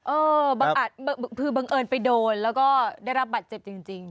เออบังคือบังเอิญไปโดนแล้วก็ได้รับบัตรเจ็บจริง